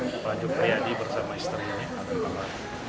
pelanjur pria di bersama istrinya